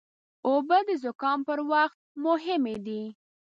اوبه د زکام پر وخت مهمې دي.